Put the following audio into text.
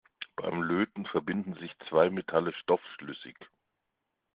Beim Löten verbinden sich zwei Metalle stoffschlüssig.